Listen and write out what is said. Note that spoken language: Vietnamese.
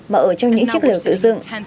mà ở trong những chiếc liều tự dựng